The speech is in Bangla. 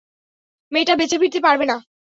মেয়েটা বেঁচে ফিরতে পারবে না।